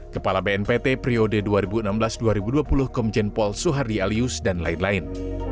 kepala bnpt periode dua ribu enam belas dua ribu dua puluh komjen pol suhardi alius dan lain lain